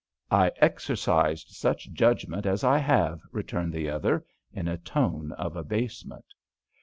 "I exercised such judgment as I have," returned the other, in a tone of abasement.